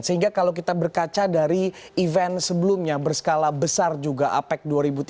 sehingga kalau kita berkaca dari event sebelumnya berskala besar juga apec dua ribu tiga belas